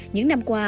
những năm qua